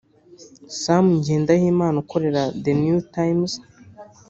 Sam Ngendahimana ukorera The New Times